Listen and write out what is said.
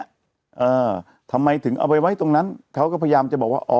เออทำไมถึงเอาไปไว้ตรงนั้นเขาก็พยายามจะบอกว่าอ๋อ